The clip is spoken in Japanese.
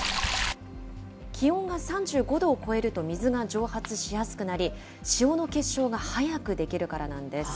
気温が３５度を超えると水が蒸発しやすくなり、塩の結晶が早く出来るからなんです。